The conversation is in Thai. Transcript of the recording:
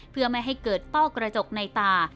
เพื่อไม่ให้เกิดต้อกระจกในตา